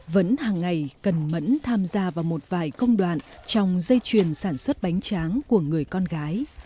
vẫn hàng ngày cần mẫn tham gia vào một vài công đoạn trong dây chuyền sản xuất bánh tráng của người con gái